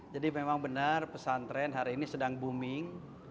jadi memang benar pesantren hari ini sedang booming